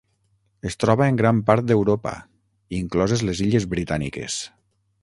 Es troba en gran part d'Europa, incloses les Illes Britàniques.